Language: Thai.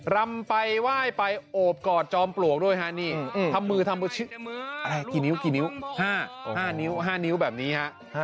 รำไปไหว้ไปโอบกอดจอมปลวกด้วยฮะนี่ทำมือทำกี่นิ้วกี่นิ้ว๕นิ้ว๕นิ้วแบบนี้ฮะ